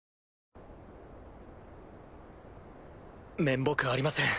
面目ありません